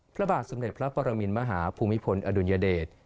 พระบาทสมเด็จพระปรมินมหาภูมิพลอดุลยเดช